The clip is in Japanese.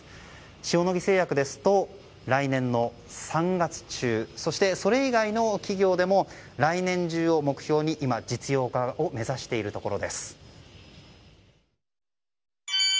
塩野義製薬ですと来年の３月中そして、それ以外の企業でも来年中を目標に実用化を目指しているところです。